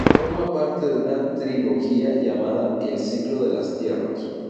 Forma parte de una trilogía llamada "El Ciclo de las Tierras".